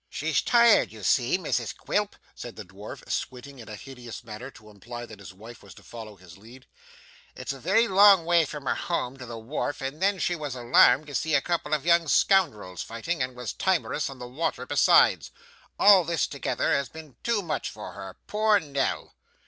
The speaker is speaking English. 'She's tired you see, Mrs Quilp,' said the dwarf, squinting in a hideous manner to imply that his wife was to follow his lead. 'It's a long way from her home to the wharf, and then she was alarmed to see a couple of young scoundrels fighting, and was timorous on the water besides. All this together has been too much for her. Poor Nell!